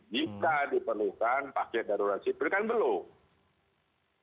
jika diperlukan paket darurat sipil kan belum